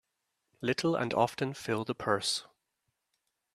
Little and often fill the purse.